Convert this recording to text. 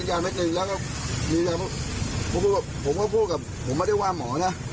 แล้วก็ผมก็พูดกับผมไม่ได้ว่าหมอนะ